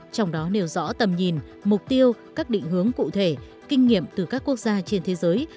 trong đó nêu rõ tầm nhìn mục tiêu các định hướng cụ thể kinh nghiệm từ các quốc gia trên thế giới